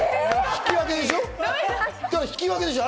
引き分けでしょ？